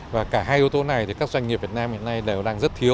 và cả hai yếu tố này thì các doanh nghiệp việt nam hiện nay đều đang rất thiếu